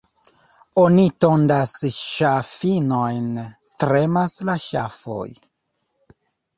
Oni tondas ŝafinojn, — tremas la ŝafoj.